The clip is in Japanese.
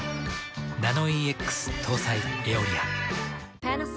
ナノイーＸ搭載「エオリア」。